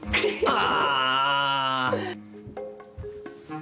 あ！